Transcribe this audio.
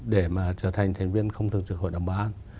để mà trở thành thành viên không thường trực hội đồng bảo an